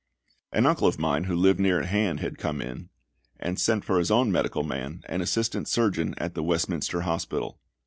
An uncle of mine who lived near at hand had come in, and sent for his own medical man, an assistant surgeon at the Westminster Hospital.